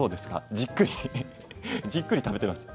じっくりじっくり食べていますね。